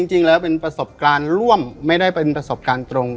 จริงแล้วเป็นประสบการณ์ร่วมไม่ได้เป็นประสบการณ์ตรง